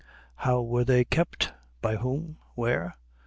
How were they kept? by whom, and where?